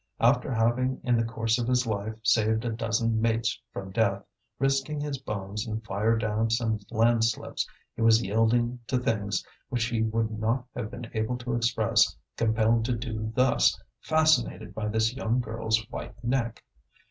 After having in the course of his life saved a dozen mates from death, risking his bones in fire damps and landslips, he was yielding to things which he would not have been able to express, compelled to do thus, fascinated by this young girl's white neck.